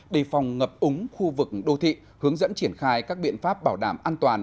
đề phòng ngập úng khu vực đô thị hướng dẫn triển khai các biện pháp bảo đảm an toàn